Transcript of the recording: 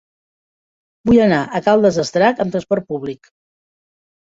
Vull anar a Caldes d'Estrac amb trasport públic.